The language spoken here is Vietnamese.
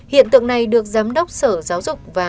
hiện tượng này được giám đốc sở giáo dục